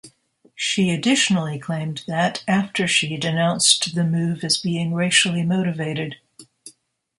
She additionally claimed that after she denounced the move as being racially motivated.